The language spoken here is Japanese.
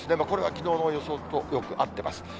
これはきのうの予想とよく合っています。